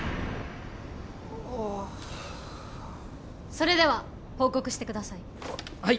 それでは報告してください。